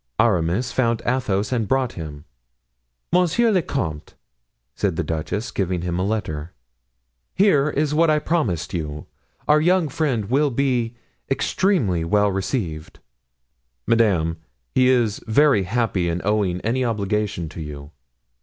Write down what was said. Aramis found Athos and brought him. "Monsieur le comte," said the duchess, giving him a letter, "here is what I promised you; our young friend will be extremely well received." "Madame, he is very happy in owing any obligation to you."